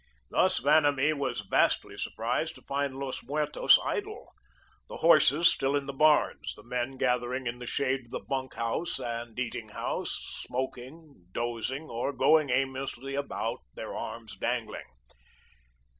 Thus, Vanamee was vastly surprised to find Los Muertos idle, the horses still in the barns, the men gathering in the shade of the bunk house and eating house, smoking, dozing, or going aimlessly about, their arms dangling.